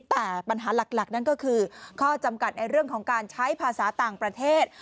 แต่ปัญหาหลักนั่นก็คือข้อจำกัดในเรื่องของการใช้ภาษาต่างประเทศ